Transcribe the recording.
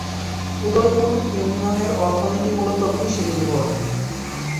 উদয়পুর ইউনিয়নের অর্থনীতি মূলত কৃষি নির্ভর।